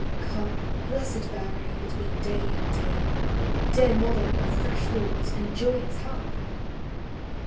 Come, blessed barrier between day and > Dear mother of fresh thoughts and joyous health